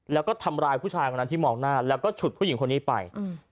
แล้วก็ทำร้ายผู้ชายคนนั้นที่มองหน้าแล้วก็ฉุดผู้หญิงคนนี้ไป